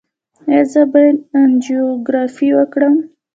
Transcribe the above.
ایا زه باید انجیوګرافي وکړم؟